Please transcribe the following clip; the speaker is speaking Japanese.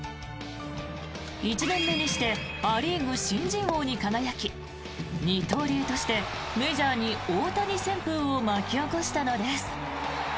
１年目にしてア・リーグ新人王に輝き二刀流として、メジャーに大谷旋風を巻き起こしたのです。